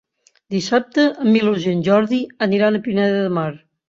Dissabte en Milos i en Jordi aniran a Pineda de Mar.